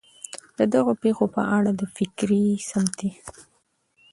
د دغه پېښو په اړه د فکري ، سمتي